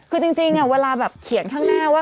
คือจริงเวลาแบบเขียนข้างหน้าว่า